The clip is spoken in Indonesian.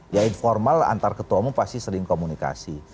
ya informal antar ketua umum pasti sering komunikasi